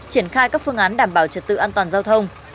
triển khai các phương án đảm bảo trật tự an toàn giao thông